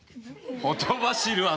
ほとばしる汗。